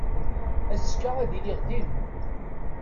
Azekka ad iliɣ din.